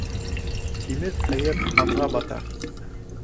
Һимеҙ һыйыр һаҙға батһа